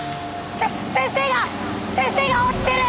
先生が先生が落ちてる！